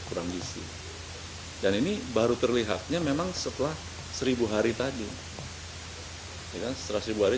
kurang isi dan ini baru terlihatnya memang setelah seribu hari tadi ya setelah seribu hari